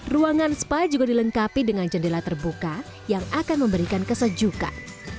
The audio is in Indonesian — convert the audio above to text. ruangan spa juga dilengkapi dengan jendela terbuka yang akan memberikan kesejukan